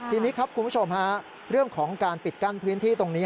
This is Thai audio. ทีนี้ครับคุณผู้ชมฮะเรื่องของการปิดกั้นพื้นที่ตรงนี้